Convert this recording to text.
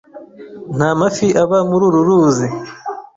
Nta mafi aba muri uru ruzi.